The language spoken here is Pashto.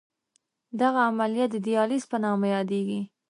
دغه عملیه د دیالیز په نامه یادېږي.